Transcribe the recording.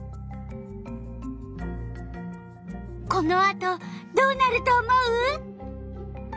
このあとどうなると思う？